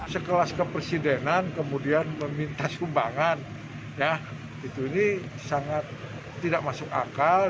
sekelas kepresidenan kemudian meminta sumbangan ya itu ini sangat tidak masuk akal